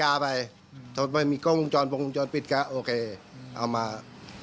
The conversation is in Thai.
ถ้าไม่มีก้องกรุงจรปกรุงจรปิดก็โอเคเอามานั่นกัน